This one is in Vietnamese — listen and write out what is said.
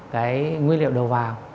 cái nguyên liệu đầu vào